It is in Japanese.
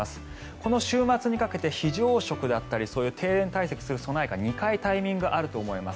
この週末にかけて非常食だったり停電対策をする備えが２回タイミングがあると思います。